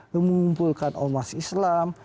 mengumpulkan umat islam